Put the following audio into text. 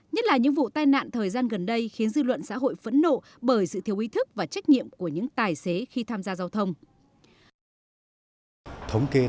nhất là những vụ tai nạn thời gian gần đây khiến dư luận xã hội phẫn nộ bởi sự thiếu ý thức và trách nhiệm của những tài xế khi tham gia giao thông